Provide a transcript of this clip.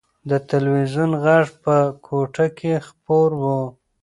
د تلویزون غږ په کوټه کې خپور و.